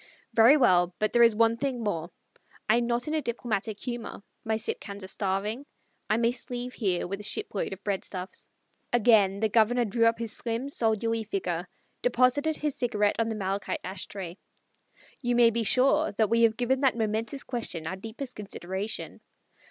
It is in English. "Very well. But there is one thing more. I am not in a diplomatic humor. My Sitkans are starving. I must leave here with a shipload of breadstuffs." Again the Governor drew up his slim soldierly figure; deposited his cigarette on the malachite ash tray. "You may be sure that we have given that momentous question our deepest consideration.